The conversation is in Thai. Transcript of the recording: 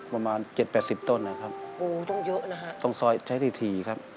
ประมาณ๗๘๐ต้นครับต้องใช้ทีครับ